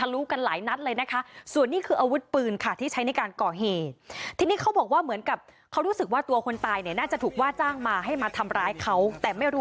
รอเลยครับรอเลยครับรอเลยครับ